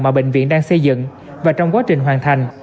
mà bệnh viện đang xây dựng và trong quá trình hoàn thành